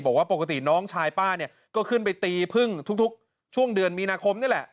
บอกว่าปกติน้องชายป้าเนี่ยก็ขึ้นไปตีพึ่งทุกช่วงเดือนมีนาคมนี่แหละ